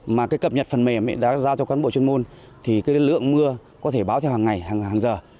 mà cái cập nhật phần mềm đã giao cho cán bộ chuyên môn thì cái lượng mưa có thể báo theo hàng ngày hàng giờ